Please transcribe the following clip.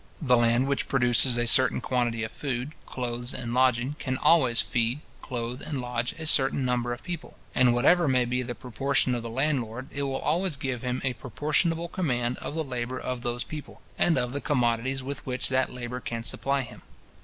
The land which produces a certain quantity of food, clothes, and lodging, can always feed, clothe, and lodge, a certain number of people; and whatever may be the proportion of the landlord, it will always give him a proportionable command of the labour of those people, and of the commodities with which that labour can supply him.